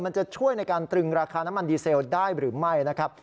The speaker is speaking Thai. มันจะช่วยในการตรึงราคาน้ำมันดีเซลได้หรือไม่นะครับ